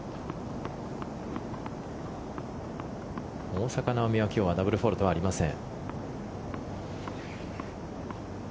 大坂なおみは今日ダブルフォールトはありません。